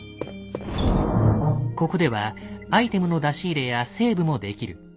ここではアイテムの出し入れやセーブもできる。